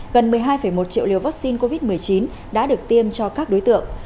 gần một mươi hai một triệu liều vaccine covid một mươi chín đã được tiêm cho các đối tượng